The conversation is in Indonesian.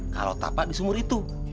kalau tapak di sumur itu